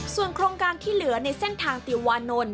ส่วนโครงการที่เหลือในเส้นทางติวานนท์